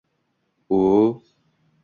Oʻ-oʻ